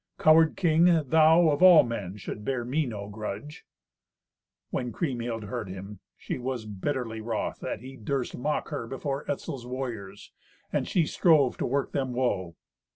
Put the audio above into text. Coward king, thou, of all men, shouldst bear me no grudge." When Kriemhild heard him, she was bitterly wroth that he durst mock her before Etzel's warriors, and she strove to work them woe.